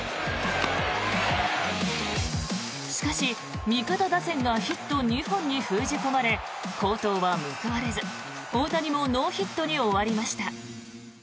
しかし、味方打線がヒット２本に封じ込まれ好投は報われず、大谷もノーヒットに終わりました。